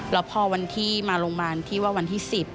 แล้วพอวันที่มาโรงพยาบาลที่ว่าวันที่๑๐